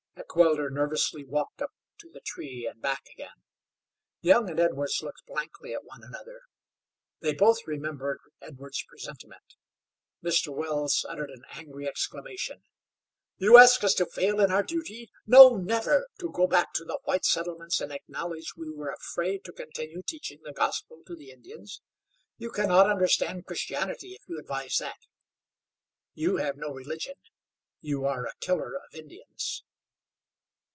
Heckewelder nervously walked up to the tree and back again. Young and Edwards looked blankly at one another. They both remembered Edward's presentiment. Mr. Wells uttered an angry exclamation. "You ask us to fail in our duty? No, never! To go back to the white settlements and acknowledge we were afraid to continue teaching the Gospel to the Indians! You can not understand Christianity if you advise that. You have no religion. You are a killer of Indians."